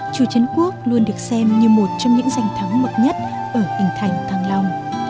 chùa trấn quốc luôn được xem như một trong những danh thắng bậc nhất ở hình thành thăng long